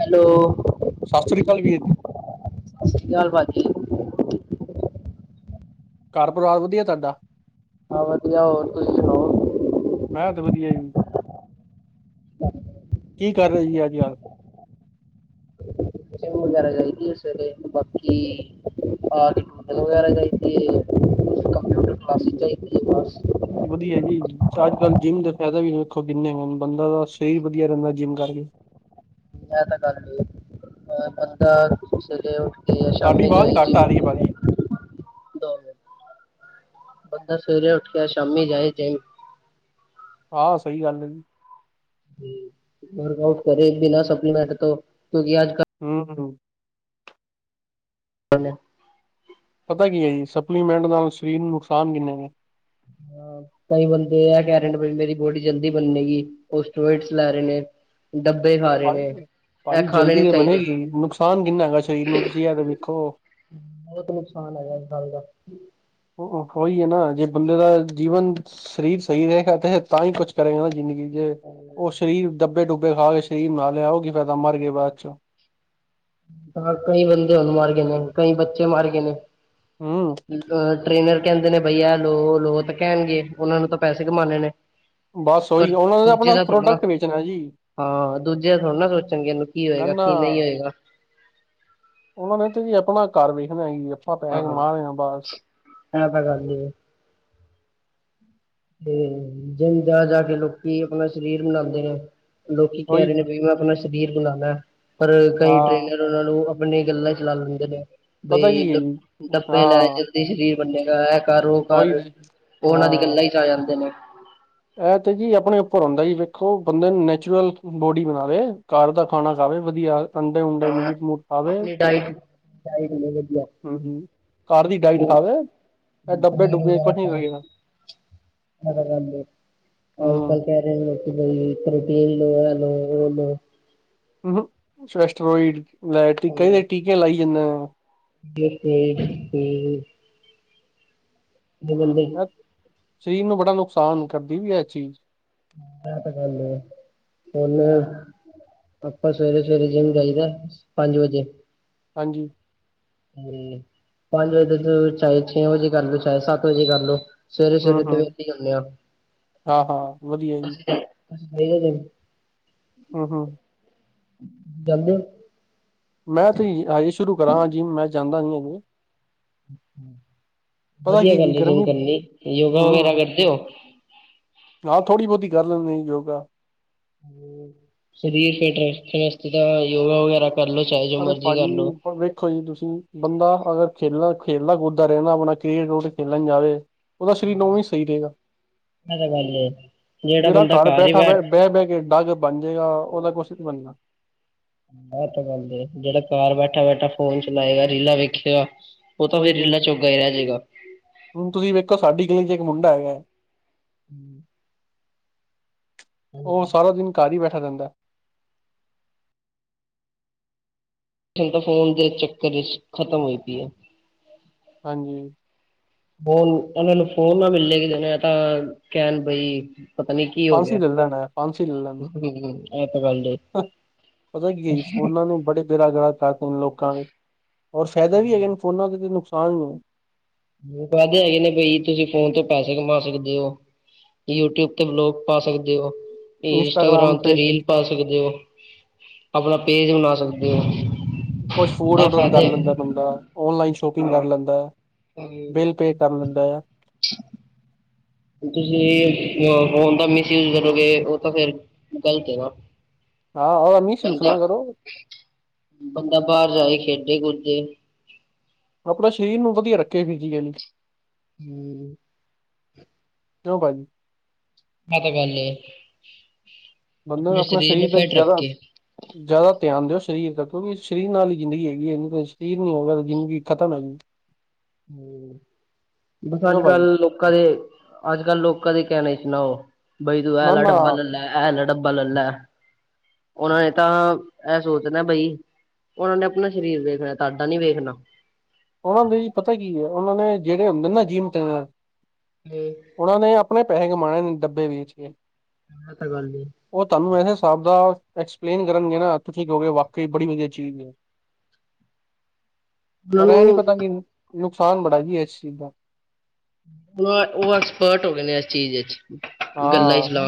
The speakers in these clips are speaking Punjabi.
ਹੈਲੋ [unintelligible] ਸਤਿ ਸ੍ਰੀ ਅਕਾਲ ਵੀਰ ਸਤਿ ਸ਼੍ਰੀ ਅਕਾਲ ਭਾਜੀ ਘਰ ਪਰਿਵਾਰ ਵਧੀਆ ਤੁਹਾਡਾ ਹਾਂ ਵਧੀਆ ਹੋਰ ਤੁਸੀਂ ਸੁਣਾਓ ਮੈਂ ਤੇ ਵਧੀਆ ਜੀ [unintelligible] ਕੀ ਕਰ ਰਹੇ ਜੀ ਅੱਜ ਕੱਲ੍ਹ [inaudible] [inaudible] ਵਧੀਆ ਜੀ ਅੱਜ ਕੱਲ ਜਿੰਮ ਦਾ ਫਾਇਦਾ ਵੀ ਦੇਖੋ ਕਿਨੇ ਹੋਣ ਬੰਦਾ ਦਾ ਸਰੀਰ ਵਧੀਆ ਰਹਿੰਦਾ ਜਿੰਮ ਕਰਕੇ [inaudible] ਤੁਹਾਡੀ ਸ਼ਾਮੀ ਆਵਾਜ਼ ਜਾਏ ਘੱਟ ਜਿੰਮ ਆ ਰਹੀ ਐ ਭਾਜੀ ਦੋ ਮਿੰਟ ਬੰਦਾ ਸਵੇਰੇ ਉੱਠ ਕੇ ਸ਼ਾਮੀ ਜਾਏ ਜੇ ਆ ਸਹੀ ਗੱਲ ਐ ਜੀ ਵਰਕ ਆਊਟ ਕਰੇ ਬਿਨਾਂ ਸਪਲੀਮੈਂਟ ਤੋਂ ਕਿਉਂਕਿ ਆਜ ਕੱਲ ਹੂੰ [unintelligible] ਪਤੈ ਕੀ ਏ ਜੀ ਸਪਲੀਮੈਂਟ ਨਾਲ ਸਰੀਰ ਨੂੰ ਨੁਕਸਾਨ ਕਿੰਨੇ ਨੇ। ਹਾਂ ਕਈ ਬੰਦੇ ਐ ਕੈ ਰਏ ਨੇ ਬਈ ਮੇਰੀ ਬੋਡੀ ਜਲਦੀ ਬੰਨੇਗੀ। ਓ ਸਟੀਰਿਓਇਡਸ ਲੈ ਰੇ ਨੇ, ਡੱਬੇ ਖਾ ਰੇ ਨੇ। ਭਾਜੀ ਐ ਭਾਜੀ ਖਾਣੇ ਜਲਦੀ ਨੀ ਤੇ ਚਾਈਦੇ। ਬਣੇਗੀ ਨੁਕਸਾਨ ਕਿੰਨਾ ਹੈਗੈ ਸ਼ਰੀਰ ਨੂੰ ਤੁਸੀ ਐ ਤੇ ਵੇਖੋ। ਬੋਤ ਨੁਕਸਾਨ ਹੈਗੈ ਇਸ ਗੱਲ ਦਾ। ਓ ਹੋ ਈ ਏ ਨਾ ਜੇ ਬੰਦੇ ਦਾ ਜੀਵਨ ਸਰੀਰ ਸਈ ਰਏਗਾ ਤੇਹ ਤਾਂਈ ਕੁੱਛ ਕਰੇਗਾ ਨਾ ਜਿੰਦਗੀ ਜੇ ਓ ਸ਼ਰੀਰ ਡੱਬੇ ਡੁੱਬੇ ਖਾ ਕੇ ਸ਼ਰੀਰ ਮਾਰ ਲਿਆ ਓ ਕੀ ਫਾਇਦਾ ਮਰ ਗਏ ਬਾਦ 'ਚੋਂ ਹਾਂ ਕਈ ਬੰਦੇ ਹੁਨ ਮਰ ਗਏ ਨੇ, ਕਈ ਬੱਚੇ ਮਰ ਗਏ ਨੇ, ਹੂੰ, ਅ ਟ੍ਰੇਨਰ ਕੈਂਦੇ ਨੇ ਬਈ ਐ ਲੋ, ਓ ਲੋ। ਓ ਤਾਂ ਕੈਨਗੇ। ਓਨਾਂ ਨੂੰ ਤਾਂ ਪੈਸੇ ਕਮਾਣੇ ਨੇ। ਬਸ ਪਰ ਓਈ ਓ ਓਨਾਂ ਨੇ ਤਾਂ ਦੂਜੇ ਆਪਣਾ ਦਾ ਥੋੜਾ ਨਾ ਪ੍ਰੋਡਕਟ ਵੇਚਨੈ ਜੀ। ਹਾਂ ਦੂਜੇ ਐ ਥੋੜਾ ਨਾ ਸੋਚਨਗੇ ਏਨੂੰ ਕੀ ਨਾ ਹੋਏਗਾ, ਨਾ ਕੀ ਨਈ ਹੋਏਗਾ। ਓਨਾ ਨੇ ਤੇ ਜੀ ਆਪਣਾ ਘਰ ਵੇਖਨੈ [unintelligible] ਹਾਂ, ਐ ਤਾਂ ਗੱਲ ਏ। ਤੇ ਜਿਮ ਜਾ-ਜਾ ਕੇ ਲੋਕੀ ਆਪਣਾ ਸ਼ਰੀਰ ਬਨਾਂਨਦੇ ਨੇ। ਲੋਕੀ ਕੈ ਉਹੀ ਰੇ ਤੇ ਨੇ ਬਈ ਮੈਂ ਆਪਣਾ ਸ਼ਰੀਰ ਬਨਾਨੈ ਪਰ ਕਈ ਹਾਂ ਟ੍ਰੇਨਰ ਓਨਾਂ ਨੂੰ ਆਪਨੀ ਗੱਲਾਂ 'ਚ ਲਾ ਲੈਂਦੇ ਨੇ ਪਤਾ ਬਈ ਕੀ ਹੈ ਜੀ ਡੱਬ ਡੱਬੇ ਲੈ ਹਾਂ ਜਲ ਦੀ ਸ਼ਰੀਰ ਬੰਨੇਗਾ। ਐ ਕਰ, ਓ ਉਹੀ ਕਰ। ਤੇ। ਓ ਓਹਨਾਂ ਦੀ ਗੱਲਾਂ ਇੱਚ ਆ ਜਾਂਦੇ ਨੇ। ਐ ਤੇ ਜੀ ਆਪਣੇ ਉੱਪਰ ਹੋਂਦੈ ਜੀ। ਵੇਖੋ ਬੰਦੇ ਨੈਚੁਰਲ ਬੋਡੀ ਬਨਾਵੇ, ਘਰ ਦਾ ਖਾਣਾ ਖਾਵੇ ਵਧੀਆ ਅੰਡੇ-ਉਡੇ, ਮੀਟ-ਮੂਟ ਖਾਵੇ ਡਾਈਟ ਡਾਈਟ ਹੋਵੇ ਵਧੀਆ ਹੂੰ-ਹੂੰ। ਘਰ ਦੀ ਡਾਈਟ ਖਾਵੇ, ਐ ਡੱਬੇ-ਡੁੱਬੇ ਕੱਠੇ ਕਰੀ ਜਾਂਦੈ। ਮੈਂ ਕਿਆ ਰੈਨ ਦੇ। ਆਈਸਤਾ-ਆਈਸਤਾ ਹੂੰ। ਕਈ ਲੋਕੀ ਤੇ ਜੀ ਪ੍ਰੋਟੀਨ ਲੇ ਆ ਲੋ, ਓ ਲੋ। ਹੂੰ ਸ਼ਵੈਸ਼ਟਰੋਇਡ ਲੈ ਕੇ, ਕਈ ਏ ਟੀਕੇ ਲਾਈ ਜਾਂਦੇ ਆ। [unintelligible] ਸ਼ਰੀਰ ਨੂੰ ਬੜਾ ਨੁਕਸਾਨ ਕਰਦੀ ਵੀ ਐ ਚੀਜ। ਐ ਤਾਂ ਗੱਲ ਏ, ਹੁਨ ਆਪਾਂ ਸਵੇਰੇ-ਸਵੇਰੇ ਜਿੰਮ ਜਾਈਦੈ, ਪੰਜ ਵਜੇ। ਹਾਂਜੀ। ਤੇ ਪੰਜ ਵਜੇ ਤੇ ਓ ਚਾਏ ਛੇ ਵਜੇ ਕਰ ਲੇ ਚਾਏ ਸੱਤ ਵਜੇ ਕਰ ਲੇ ਸਵੇਰੇ-ਸਵੇਰੇ ਪੈਲੇ ਹੂੰ-ਹੂੰ ਕੀ ਕਰਨੇ ਆਂ। ਹਾਂ-ਹਾਂ ਵਧੀਆ ਜੀ ਅਸੀ [unintelligible] ਹੂੰ-ਹੂੰ। ਬਲ ਮੈਂ ਤੇ ਯ ਹਜੇ ਸ਼ੁਰੂ ਕਰਾਂਗਾ ਜਿੱਮ। ਮੈਂ ਜਾਂਦਾ ਨੀ ਹਜੇ। ਪਤਾ ਵਧੀਆ ਕੀ ਜੀ ਗੱਲ ਏ ਜਿੱਮ ਗਰਮੀ ਕਰਨੀ। ਯੋਗਾ ਵਗੈਰਾ ਹੂੰ ਕਰਤੇ ਓ? ਹਾਂ, ਥੋੜੀ ਬੋਤੀ ਕਰ ਲੈਂਨੇ ਆ ਯੋਗਾ। ਸਰੀਰ ਫਿਟ ਰਸਤੇ ਵਾਸਤੇ ਤਾਂ ਯੋਗਾ ਵਗੈਰਾ ਕਰ ਲੋ ਚਾਏ ਜੋ ਮਰਜੀ ਕਰ ਲੋ। ਦੇਖੋ ਜੀ ਤੁਸੀ ਬੰਦਾ ਅਗਰ ਖੇਲਨਾ, ਖੇਲਦਾ ਕੁੱਦਦਾ ਰੇ ਨਾ ਆਪਣਾ ਕ੍ਰਿਕ ਕਰੁਕਟ ਖੇਲਨ ਜਾਵੇ ਓਦਾ ਸ਼ਰੀਰ ਨੌਵੇਂ ਈ ਸਈ ਰਏਗਾ। ਐ ਤਾਂ ਗੱਲ ਏ ਜਿਹੜਾ ਜੇੜਾ ਬੰਦਾ ਘਰ ਹੀ ਬੈਠਾ ਬੈਠ ਫੇੜ ਬੈ-ਬੈ ਕੇ [unintelligible] ਬਨ ਜੇਗਾ, ਓਦਾ ਕੁਛ ਨੀ ਬਨਨਾ। ਐ ਤੇ ਗੱਲ ਏ। ਜੇੜਾ ਘਰ ਬੈਠਾ-ਬੈਠਾ ਫੋਨ ਚਲਾਏਗਾ, ਰੀਲਾਂ ਵੇਖੇਗਾ ਉਹ ਤਾਂ ਉਹੀ ਫਿਰ ਤੇ ਰੀਲਾ ਜੋਗਾ ਹੀ ਰਹਿ ਜਾਏਗਾ। ਹੁਣ ਤੁਸੀਂ ਵੇਖੋ ਸਾਡੀ ਗਲੀ'ਚ ਇੱਕ ਮੁੰਡਾ ਹੈਗਾ ਹੈ। ਹਮ ਉਹ ਹੁਣ ਸਾਰਾ ਦਿਨ ਘਰ ਹੀ ਬੈਠਾ ਰਹਿੰਦਾਏ। ਠੀਕ ਹ ਫੋਨ ਦੇ ਚੱਕਰ ਵਿੱਚ ਖ਼ਤਮ ਹੋਈ ਪਈ ਹੈ। ਹਾਂਜੀ ਫੋਨ, ਉਹਨਾਂ ਨੂੰ ਫੋਨ ਨਾ ਮਿਲੇ ਕਿਣੇ ਤਾਂ ਕਹਿਣ ਬਈ ਪਤਾ ਨੀ ਕੀ ਹੋ ਗਿਆ। ਫਾਂਸੀ ਲਿਲੇ ਨ, ਫਾਂਸੀ। ਏ ਤਾਂ ਕੱਲ ਦੇ ਹ, ਪਤਾ ਕੀ ਏ ਜੀ, ਫੋਨਾਂ ਨੇ ਬੜੇ ਬੇੜਾਗਰਕ ਕਰਤਾ ਲੋਕਾਂ ਨੇ। ਹੋਰ ਫ਼ਾਇਦਾ ਵੀ ਹੈਗੇਨੇ, ਫੋਨਾਂ ਦੇ ਨੁਕਸਾਨ। [unintelligible] ਕਹਦੇ ਹੈਗੇ ਨੇ ਬਈ, ਤੁਸੀਂ ਫੋਨ ਤੋਂ ਪੈਸੇ ਕਮਾ ਸਕਦੇ ਓ? ਯੂਟਿਊਬ ਤੇ ਵਲੋਗ ਪਾ ਸਕਦੇ ਹੋ ਇ-ਇੰਸਟਾਗ੍ਰਾਮ ਤੇ ਰੀਲ ਪਾ ਸਕਦੇ ਓ ਆਪਣਾ ਪੇਜ ਬਣਾ ਸਕਦੇ ਹੋ ਕੁਛ ਫੂਡ ਇਹ ਔਡਰ ਕਰ ਫਾਇਦੇ ਲੈਂਦਾ ੲ ਬੰਦਾ, ਔਨਲਾਈਨ ਸ਼ੋਪਿੰਗ ਕਰ ਹਾਂ। ਲੈਂਦਾ ਏ। ਬਿੱਲ ਪੇ ਕਰ ਲੈਂਦਾ ਆ ਤੁਸੀਂ ਫੋਨ ਦਾ ਮਿਸਯੂਜ ਕਰੋਗੇ, ਉਹ ਤਾਂ ਫੇਰ ਗ਼ਲਤ ਏ ਨਾ ਹਾਂ ਉਹ ਮਿਸਯੁਸ ਬੰਦਾ ਨਾ ਕਰੋ ਬੰਦਾ ਬਾਹਰ ਜਾਏ ਖੇਡੇ ਕੁਦੇ ਆਪਣਾ ਸ਼ਰੀਰ ਨੂੰ ਵਧੀਆ ਰੱਖੇ ਫਿਜ਼ਕਲੀ ਹੂੰ। ਕਿਉਂ ਭਾਜੀ ਐ ਤਾ ਗੱਲ ਏ ਬੰਦਾ ਆਪਣੇ ਆਪਣਾ ਸਰੀਰ ਸ਼ਰੀਰ ਨੂੰ ਤ ਫਿਟ ਜ਼ਿਆਦਾ ਰੱਖੇ ਜ਼ਿਆਦਾ ਧਿਆਨ ਦਿਓ ਸ਼ਰੀਰ ਦਾ, ਕਿਉਂਕਿ ਸ਼ਰੀਰ ਨਾਲ ਹੀ ਜ਼ਿੰਦਗੀ ਹੈਗੀ ਏ। ਨੀ ਤੇ ਇਹ ਸ਼ਰੀਰ ਨ ਹੋਊਗਾ ਜ਼ਿੰਦਗੀ ਖਤਮ ਹੈਗੀ ਹੂੰ, ਬਸ ਅੱਜ ਕਿਉਂ ਭਾਜੀ ਕੱਲ੍ਹ ਲੋਕਾਂ ਦੇ ਅੱਜ ਕੱਲ ਲੋਕਾਂ ਦੇ ਕਹਿਣੇ ਚ ਨਾ ਆਯੋ ਬਈ ਤੂੰ ਐ ਨਾ ਲ ਨਾ ਡੱਬਾ ਲੈ-ਲੈ ਇਹ ਲ ਡੱਬਾ ਲੈ-ਲੈ। ਉਹਨਾ ਨੇ ਤਾਂ ਇਹ ਸੋਚਨਾ ਏ ਬਈ ਉਹਨਾਂ ਨੇ ਆਪਣਾ ਸ਼ਰੀਰ ਵੇਖਣਾ ਹੇ, ਤੁਾਡਾ ਨੀ ਵੇਖਣਾ ਉਹਨਾਂ ਦੇ ਜੀ ਪਤਾ ਹੇ ਕੀ ਐ, ਉਹਨਾਂ ਨੇ ਜਿਹੜੇ ਹੁੰਦੇ ਨਾ ਜਿੰਮ ਟ੍ਰੇਨਰ [unintelligible] ਉਹਨਾਂ ਨੇ ਆਪਣੇ ਪੈਹੇ ਕਮਾਣੇ ਨੇ, ਡੱਬੇ ਵੇਚ ਕੇ ਏ ਤਾਂ ਗੱਲ ਏ ਉਹ ਤੁਹਾਨੂੰ ਇਸ ਹਿਸਾਬ ਦਾ ਏਕਸਪਲੇਨ ਕਰਨਗੇ ਨਾ, ਤੁਸੀਂ ਕਹੋਗੇ ਵਾਕਈ ਬੜੀ ਵਧੀਆ ਚੀਜ਼ ੲ ਉਹਨਾਂ ਪਰ ਐ ਨੀ ਨੂੰ ਪਤਾ ਕਿ ਨੁਕਸਾਨ ਬੜਾ ਜੀ ਐ ਇਸ ਚੀਜ਼ ਦਾ ਬ-ਏ-ਉਹ ਐਕਸਪਰਟ ਹੋ ਗਏ ਨੇ ਇਸ ਚੀਜ਼ ਇਚ ਹਾਂ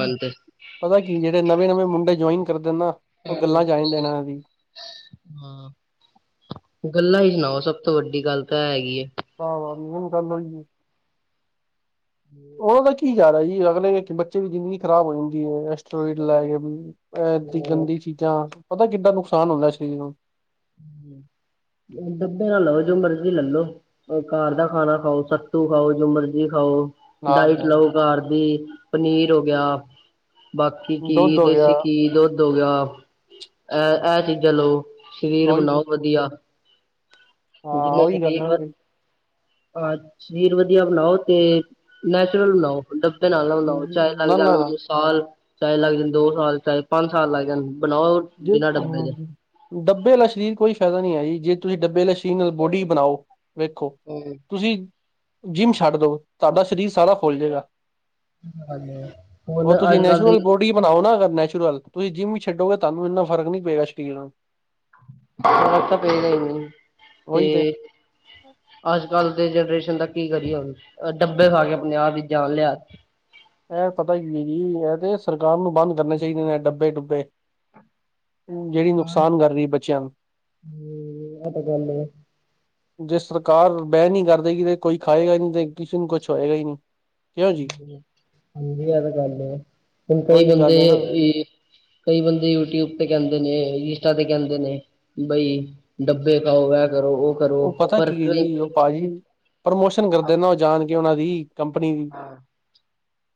ਪਤਾ ਏ ਕੀ ਜਿਹੜੇ ਨਵੇਂ-ਨਵੇਂ ਮੁੰਡੇ ਜੁਆਇਨ ਕਰਦੇ ਨਾ ਉਹ ਗੱਲਾਂ ਚ ਆ ਜਾਂਦੇ ਪੈਲਸ। ਨੇ ਇਹਨਾਂ ਦੀ [unintelligible] ਹੂੰ। ਗੱਲਾਂ ਈ ਸੁਣਾਓ ਸਭ ਤੋਂ ਵੱਡੀ ਗੱਲ ਤਾਂ ਹੈਗੀ ਏ ਆਹ ਵ ਹੁਣ ਗੱਲ ਹੋਈ ਆ। ਉਹ ਤਾਂ ਕੀ ਜ਼ਿਆਦਾ ਜੀ ਅਗਲੇ ਹੈ ਕਿ ਬੱਚੇ ਦੀ ਜ਼ਿੰਦਗੀ ਖਰਾਬ ਹੋ ਜਾਂਦੀ ਹੈ, ਐਸਟ੍ਰੋਇਡ ਲੈ ਕੇ ਬੀ ਏਦੀ ਹੋਰ ਗੰਦੀ ਚੀਜ਼ਾਂਪਤਾ ਕਿੱਦਾਂ ਨੁਕਸਾਨ ਹੁੰਦਾ ਸਰੀਰ ਨੂੰ ਦੱਬੇ ਨ ਲਵੋ ਜੋ ਮਰਜ਼ੀ ਲੈਲੋ ਘਰ ਦਾ ਖਾਣਾ ਖਾਓ, ਸੱਤੂ ਖਾਓ, ਜੋ ਮਰਜ਼ੀ ਖਾਓ ਡਾਇਟ ਹਾਂ ਲਓ ਘਰ ਦੀ, ਪਨੀਰ ਹੋ ਗਿਆ ਬਾਕੀ ਘੀ ਦੁੱਧ ਹੋ ਗਿਆ ਦੇਸੀ ਘੀ, ਦੁੱਧ ਹੋ ਗਿਆ, ਇਹ-ਇਹ ਚੀਜ਼ਾਂ ਲਓ ਸ਼ਰੀਰ ਉਹੀ ਬਣਾਓ ਤੇ, ਵਧੀਆ ਹਾਂ ਜਿਵੇੇ ਉਹੀ ਗੱਲ ਹੈ ਸ਼ਰੀਰ ਵ ਹਾਂ ਸ਼ਰੀਰ ਵਧੀਆ ਬਣਾਓ ਤੇ ਨੈਚੁਰਲ ਬਣਾਓ। ਡਬੇ ਨਾਲ ਨਾ ਬਣਾਉ ਚਾਏ ਲੱਗ ਜਾਣ [unintelligible] ਸਾਲ ਚਾਹੇ ਲੱਗ ਜਾਣ ਦੋ ਸਾਲ ਚਾਹੇ ਪੰਜ ਸਾਲ ਲੱਗ ਜਾਣ, ਬਣਾਓ ਜੇ ਬਿਨਾਂ ਡੱਬੇ ਦੇ [unintelligible] ਡੱਬੇ ਵਾਲਾ ਸਰੀਰ ਕੋਈ ਫਾਇਦਾ ਨਹੀਂ ਹੈ ਜੀ ਜੇ ਤੁਸੀਂ ਡੱਬੇ ਵਾਲੇ ਸਰੀਰ ਨਾਲ ਬੋਡੀ ਬਣਾਓ ਵੇਖੋ [inaudible] ਤੁਸੀਂ ਜਿੰਮ ਛੱਡ ਦਓ ਤੁਹਾਡਾ ਸਰੀਰ ਸਾਰਾ ਫੁੱਲ ਜਾਏਗਾ। ਹਮ ਹੁਣ ਉਹ ਤੁਸੀਂ ਅੱਜ ਕੱਲ ਦੀ ਨੈਚੁਰਲ ਬੋਡੀ ਬਣਾਓ ਨਾ ਅਗਰ ਨੈਚੁਰਲ ਤੁਸੀਂ ਜਿੰਮ ਵੀ ਛੱਡੋਗੇ ਤੁਹਾਨੂੰ ਇੰਨਾ ਫਰਕ ਨੀ ਪਏਗਾ ਸਰੀਰ ਨਾਲ। ਫਰਕ ਤਾ ਪਏਗਾ ਹੀ ਨਹੀਂ ਤੇ ਅੱਜ ਕੱਲ੍ਹ ਦੇ ਜਨਰੇਸ਼ਨ ਦਾ ਕੀ ਕਰੀਏ ਹੁਣ ਡੱਬੇ ਖਾ ਕੇ ਆਪਣੇ ਆਪ ਦੀ ਹੀ ਜਾਨ ਲਿਆ ਇਹ ਪਤਾ ਕੀ ਹੈ ਜੀ, ਇਹ ਤੇ ਸਰਕਾਰ ਨੂੰ ਬੰਦ ਕਰਨੇ ਚਾਹੀਦੇ ਨੇ ਡੱਬੇ -ਡੁੱਬੇ। ਜਿਹੜੀ ਨੁਕਸਾਨ ਕਰ ਰਹੀ ਬੱਚਿਆਂ ਨੂੰ। ਹਮ ਇਹ ਤਾਂ ਗੱਲ ਏ। ਜੇ ਸਰਕਾਰ ਬੈਨ ਹੀ ਕਰਦੇਗੀ ਤੇ ਕੋਈ ਖਾਏਗਾ ਨਹੀਂ ਤੇ ਕਿਸੇ ਨੂੰ ਕੁਛ ਹੋਏਗਾ ਹੀ ਨਹੀਂ। ਕਿਉਂ ਜੀ ਹਾਂਜੀ ਇਹ ਤਾਂ ਗੱਲ ਹੈ, ਹੁਣ ਕਈ ਉਹੀ ਬੰਦੇ ਗੱਲ ਹੈ ਨਾ ਏ ਕਈ ਬੰਦੇ ਯੂਟਿਊਬ ਤੇ ਕਹਿੰਦੇ, ਨੇ ਇੰਸਟਾ ਤੇ ਕਹਿੰਦੇ ਨੇ। ਬਈ ਡੱਬੇ ਖਾਓ ਏ ਕਰੋ ਉਹ ਕਰੋ ਪਤਾ ਪਰ ਕੀ ਹੈ ਕਈ ਜੀ ਉਹ ਭਾਜੀ ਪ੍ਰਮੋਸ਼ਨ ਕਰਦੇ ਨਾ ਉਹ ਜਾਣ ਕੇ ਉਹਨਾਂ ਦੀ। ਕੰਪਨੀ ਦੀ ਹਾਂ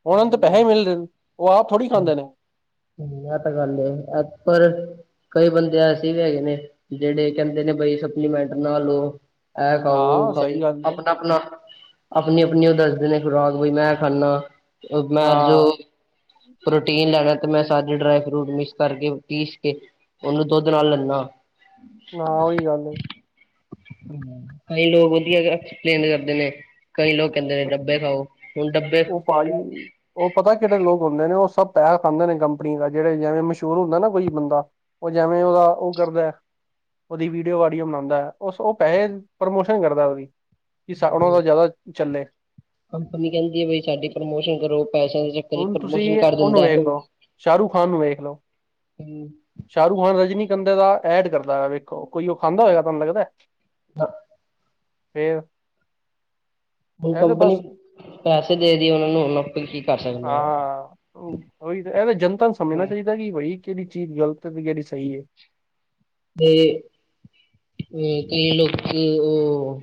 ਉਹਨਾ ਨੂੰ ਤਾਂ ਪੈਸੇ ਮਿਲ ਰਹੇ ਨੇ, ਉਹ ਆਪ ਥੋੜ੍ਹੀ ਖਾਂਦੇ ਨੇ। ਹਾਂਜੀ ਇਹ ਤਾਂ ਗੱਲ ਹੈ ਏ ਪਰ ਕਈ ਬੰਦੇ ਐਸੇ ਵੀ ਹੈਗੇ ਨੇ ਜਿਹੜੇ ਕਹਿੰਦੇ ਨੇ ਬਈ ਸਪਲੀਮੈਂਟ ਨਾ ਲਓ। ਐ ਖਾਓ ਹਾਂ ਉਹ ਖਾਓ ਸਹੀ ਗੱਲ ਹੈ ਆਪਣਾ-ਆਪਣਾ। ਆਪਣੀ-ਆਪਣੀ ਉਹ ਦੱਸਦੇ ਨੇ ਖੁਰਾਕ ਬਈ ਮੈਂ ਖਾਂਦਾ ਮੈਂ ਨਾ ਜੋ ਪ੍ਰੋਟੀਨ ਲੈਣਾ ਤੇ ਮੈਂ ਸਾਰੇ ਡਰਾਈ ਫਰੂਟ ਮਿਕਸ ਕਰਕੇ ਪੀਸ ਕੇ ਉਹਨੂੰ ਦੁੱਧ ਨਾਲ ਲੈਦਾ। ਨਾ ਉਹੀ ਗੱਲ ਹਮ ਹਮ। ਕਈ ਲੋਕ ਵਧੀਆ ਐਕਸਪਲੇਨ ਕਰਦੇ ਨੇ ਕਈ ਲੋਕ ਕਹਿੰਦੇ ਨੇ ਡੱਬੇ ਖਾਓ ਹੁਣ ਡੱਬੇ। ਉਹ ਭਾਜੀ ਉਹ ਪਤਾ ਕਿਹੜੇ ਲੋਕ ਹੁੰਦੇ ਨੇ ਉਹ ਸਭ ਪੈਹਾ ਖਾਂਦੇ ਨੇ ਕੰਪਨੀ ਦਾ ਜਿਹੜੇ ਜਿਵੇਂ ਮਸ਼ਹੂਰ ਹੁੰਦਾ ਨਾ ਕੋਈ ਬੰਦਾ। ਉਹ ਜਿਵੇਂ ਓਦਾ ਉਹ ਕਰਦਾ ਉਹਦੀ ਵੀਡੀਓ ਆਡੀਓ ਬਨਾਉਂਦਾ ਉਹ ਉਹ ਪੈਸੇ ਪ੍ਰਮੋਸ਼ਨ ਕਰਦਾ ਉਹਦੀ ਕਿ ਉਹਨਾ ਦਾ ਜ਼ਿਆਦਾ ਚੱਲੇ। ਕੰਪਨੀ ਕਹਿੰਦੀ ਹੈ, ਬਈ ਸਾਡੀ ਪ੍ਰਮੋਸ਼ਨ ਕਰੋ ਪੈਸਿਆਂ ਦੇ ਚੱਕਰ ਚ ਹੁਣ ਪ੍ਰਮੋਸ਼ਨ ਤੁਸੀਂ ਕਰ ਉਹਨੂੰ ਵੇਖ ਲਓ, ਸ਼ਾਹਰੁਖ ਖ਼ਾਨ ਨੂੰ ਵੇਖ ਲਓ। ਦਿੰਦਾ। ਸ਼ਾਹਰੁਖ ਖਾਨ ਰਜਨੀ ਕੰਧੇ ਦਾ ਐਡ ਕਰਦਾ ਪਿਆ ਵੇਖੋ ਕੋਈ ਉਹ ਖਾਂਦਾ ਹੋਏਗਾ ਤੁਹਾਨੂੰ ਲੱਗਦਾ। ਫੇਰ। ਹੁਣ ਇਹ ਤੇ ਕੰਪਨੀ ਬਸ ਪੈਸੇ ਦੇ ਰਹੀ ਆ ਉਹਨਾਂ ਨੂੰ ਹੁਣ ਆਪਾਂ ਕੀ ਕਰ ਸਕ ਹਾਂ ਉਹੀ ਤਾਂ ਇਹ ਤੇ ਜਨਤਾ ਨੂੰ ਸਮਝਣਾ ਹੂੰ। ਚਾਹੀਦਾ। ਬਾਈ ਕਿਹੜੀ ਚੀਜ਼ ਗਲਤ ਤੇ ਕਿਹੜੀ ਸਹੀ ਹੈ। ਤੇ ਅ ਕਈ ਲੋਕ ਉਹ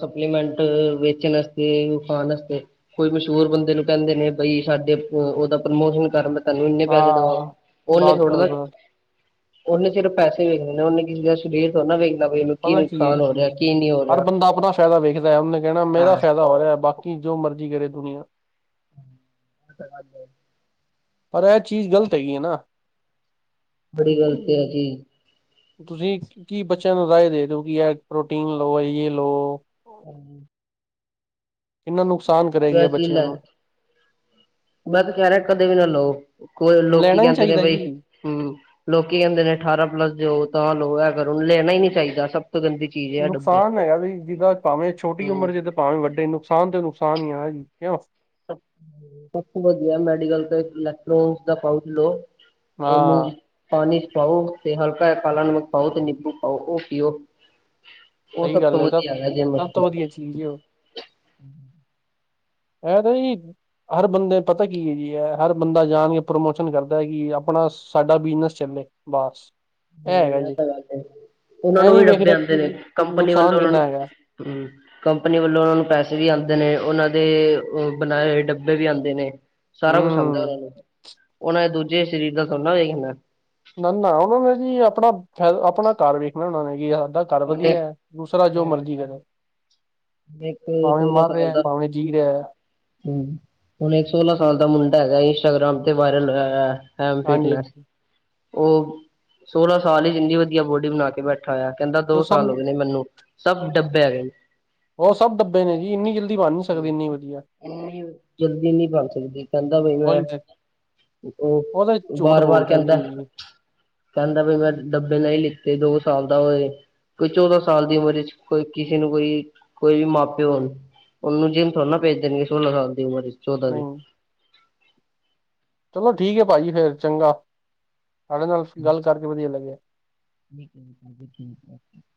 ਸਪਲੀਮੈਂਂਟ ਵੇਚਨ ਅਤੇ ਖਾਣ ਵਸਤੇ ਕੋਈ ਮਸ਼ਹੂਰ ਬੰਦੇ ਨੂੰ ਕਹਿੰਦੇ ਨੇ ਬਈ ਸਾਡੇ ਉਹਦਾ ਪ੍ਰਮੋਸ਼ਨ ਕਰਨ ਤਹਨੂੰ ਇੰਨੇ ਪੈਸੇ ਦੇਵਾਗੇ ਹਾਂ ਉਹਨੇ ਬਾਤ ਥੋੜੇ ਪਰ ਨਾ ਬਾਤ ਉਹਨੇ ਸਿਰਫ ਪੈਸੇ ਵੇਖਣੇ ਨਾ ਉਹਨੇ ਕਿਸੇ ਦਾ ਸਰੀਰ ਥੋੜਾ ਨਾ ਵੇਖਣਾ ਵੀ ਉਹਨੂੰ ਕੀ ਪਤਾ ਨੁਕਸਾਨ ਹੋ ਰਿਹਾ ਕੀ ਨਹੀਂ ਹੋ ਰਿਹਾ। ਫ਼ਾਇਦਾ ਵੇਖਦਾ ਹੈ, ਉਹਨ ਕਹਿਣਾ ਮੇਰਾ ਹਾਂ। ਫਾਇਦਾ ਹੋ ਰਿਹਾ ਬਾਕੀ ਜੋ ਮਰਜ਼ੀ ਕਰੇ ਦੁਨੀਆਂ। ਇਹ ਤਾਂ ਗੱਲ ਹ। ਪਰ ਇਹ ਚੀਜ਼ ਗ਼ਲਤ ਹੈਗੀ ਹੈ ਨਾ। ਬੜੀ ਗਲਤ ਹ ਚੀਜ਼। ਤੁਸੀ ਕੀ ਬੱਚੇਆਂ ਨੂੰ ਰਾਏ ਦੇ ਰੇਓ, ਕਿ ਐ ਪ੍ਰੋਟੀਨ ਲੋ ਤੇ ਲੋ। ਹਾਂਜੀ। ਕਿੰਨਾ ਨੁਕਸਾਨ ਕਰ ਵੈ ਚੀ ਲੈ। ਮੈਂ ਤੇ ਕੈ ਰੇਆਂ ਕਦੇ ਵੀ ਨਾ ਲਓ। ਕੋਈ ਲੋਕੀ ਲੈਣਾ ਨੀ ਕੈਂਦੇ ਨੇ ਚਾਹੀਦਾ ਬਈ ਜੀ। ਹੂੰ। ਲੋਕੀ ਕੈਂਦੇ ਨੇ ਅਠਾਰਾਂ ਪਲੱਸ ਦੇ ਹੋ ਤਾਂ ਲਓ ਐ ਕਰੋ। ਲੈਣਾ ਈ ਨੀ ਚਾਹੀਦਾ। ਸਭ ਤੋਂ ਗੰਦੀ ਚੀਜ਼ ਹੈ ਡੱਬੇ ਨੁਕਸਾਨ ਹੈਗਾ ਵਈ ਜਿੱਦਾਂ ਭਾਵੇਂ ਛੋਟੀ ਹਮ ਉਮਰ ਜਿੱਦ ਭਾਵੇਂ ਵੱਡੇ, ਨੁਕਸਾਨ ਤੇ ਨੁਕਸਾਨ ਈ ਆ ਜੀ। ਕਿਉਂ? ਸਭ ਵਧੀਆ ਐ ਮੈਡੀਕਲ ਤੋਂ ਇਲੈਕਟ੍ਰੋ ਦਾ ਪਾਉਚ ਲੋ। ਔਨੂ। ਹਾਂ। ਪਾਣੀ ਚ ਪਾਓ ਤੇ ਹਲਕਾ ਜਾ ਕਾਲਾ ਨਮਕ ਪਾਓ ਤੇ ਨਿੰਬੂ ਪਾਓ ਤੇ ਔ ਪਿਓ। ਓ ਸਭ ਤੋਂ ਵਧੀਆ ਹੈਗਾ ਜਿਮ ਵਾਸਤੇ। ਵੀਡੀਓ। ਐ ਤਾਂ ਜੀ ਹਰ ਬੰਦੇ ਪਤਾ ਕੀ ਐ ਜੀ ਐ ਹਰ ਬੰਦਾ ਜਾਣ ਕੇ ਪ੍ਰਮੋਸ਼ਨ ਕਰਦਾ ਐ ਕਿ ਅਪਣਾ ਸਾਡਾ ਬਿਜਨਸ ਚੱਲੇ। ਬਾਸ। ਐ ਤਾਂ ਗੱਲ ਸਹੀ ਏ। ਓਨਾਂ ਇਹ ਨੂੰ ਨੀ ਵੀ ਡੱਬੇ ਵੇਖਦਾ ਆਂਦੇ ਕਿ ਨੇ ਕੰਪਨੀ ਵੱਲੋਂ ਨੁਕਸਾਨ ਔਨਾ ਨੂੰ ਕਿੰਨਾ ਹੈਗਾ ਹੁਂ। ਕੰਪਨੀ ਵੱਲੋਂ ਓਨਾਂ ਨੂੰ ਪੈਸੇ ਵੀ ਆਂਦੇ ਨੇ। ਓਨਾਂ ਦੇ ਬਣਾਏ ਹੋਏ ਡੱਬੇ ਵੀ ਆਂਦੇ ਨੇ। ਸਾਰਾ ਕੁਛ ਆਂਦਾ ਓਨਾਂ ਹੂੰ ਨੂੰ। ਔਨਾਂ ਨੇ ਦੂਜੇ ਸ਼ਰੀਰ ਦਾ ਥੋੜਨਾ ਵੇਖਨਾ। ਨਾ ਨਾ ਓਨਾਂ ਨੇ ਜੀ ਅਪਣਾ ਫੈ ਅਪਣਾ ਘਰ ਵੇਖਣਾ ਓਨਾਂ ਨੇ ਕਿ ਹਾਡਾ ਘਰ ਉਹਨੇ ਵਧੀਆ ਐ। ਦੂਸਰਾ ਜੋ ਹਾਂ ਮਰਜ਼ੀ ਕਰੇ। ਇੱਕ ਭਾਵੇਂ ਸੋਲਾਂ ਮਰ ਰੇਆ ਸਾਲ ਐ, ਦਾ ਭਾਵੇਂ ਜੀ ਰੇਆ ਐ। ਹੂੰ। ਹੁਣ ਏਕ ਸੋਲਾਂ ਸਾਲ ਦਾ ਮੁੰਡਾ ਹੈਗਾ ਐ। ਇੰਸਟਾਗ੍ਰਾਮ ਤੇ ਵਾਏਰਲ ਹੋਏਆਆ ਐ। ਹੈਵੀ ਹਾਂਜੀ ਫਿਟਨੈਸ। ਔ ਸੋਲਾਂ ਸਾਲ ਇਚ ਇੰਨੀ ਵਧੀਆ ਬੋਡੀ ਬਣਾ ਕੇ ਬੈਠਾ ਹੋਇਆ ਐ। ਕੈਂਦਾ ਤੇ ਦੋ ਸਭ ਸਾਲ ਹੋਗੇ ਨੇ ਮੈਨੂੰ, ਸਭ ਡੱਬੇ ਹੇਗੈ ਨੇ। ਹੋਰ ਸਭ ਡੱਬੇ ਨੇ ਜੀ ਇੰਨੀ ਜਲਦੀ ਬਣ ਨੀ ਸਕਦੀ ਇੰਨੀ ਵਧੀਆ। ਏਨੀ ਜਲਦੀ ਨੀ ਬਣ ਸਕਦੀ। ਕੈਂਦਾ ਬਈ ਮੈਂ ਉਹੀ ਤੇ ਓ ਉਹ ਤਾਂ ਝੂਠ ਬਾਰ ਬਾਰ ਬੋਲਦਾ ਕੈਂਦਾ ਐ। ਜੀ ਕੈਂਦਾ, ਬਈ ਮੈਂ ਡੱਬੇ ਨਈ ਲਿੱਤੇ ਦੋ ਸਾਲ ਦਾ ਓ ਏ। ਕੋਈ ਚੌਦਾਂ ਸਾਲ ਦੀ ਉਮਰ ਇਚ ਕੋਈ ਕਿਸੇ ਨੂੰ ਕੋਈ ਕੋਈ ਵੀ ਮਾ ਪਿਓ ਹੋਣ। ਔਨੂੰ ਜਿਮ ਥੋੜਾ ਨਾ ਭੇਜ ਦੇਣਗੇ ਸੋਲਾਂ ਸਾਲ ਦੀ ਉਮਰ ਇਚ, ਚੌਦਾਂ ਦੀ। ਨਹੀਂ ਚਲੋ ਠੀਕ ਏ ਭਾਜੀ ਫੇਰ ਚੰਗਾ। ਤੁਹਾਡੇ ਨਾਲ ਗੱਲ ਕਰਕੇ ਵਧੀਆ ਲੱਗੇਆ। [inaudible]